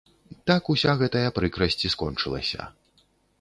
Так уся гэтая прыкрасць і скончылася.